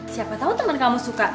siapa tau temen kamu suka